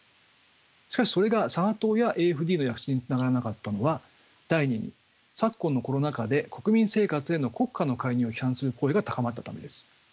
しかしそれが左派党やＡｆＤの躍進につながらなかったのは第二に昨今のコロナ禍で国民生活への国家の介入を批判する声が高まったためです。